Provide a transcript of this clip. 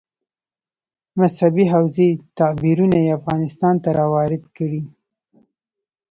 مذهبي حوزې تعبیرونه یې افغانستان ته راوارد کړي.